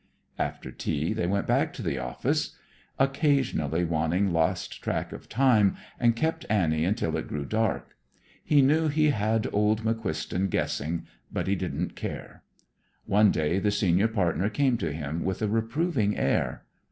After tea, they went back to the office. Occasionally Wanning lost track of time and kept Annie until it grew dark. He knew he had old McQuiston guessing, but he didn't care. One day the senior partner came to him with a reproving air.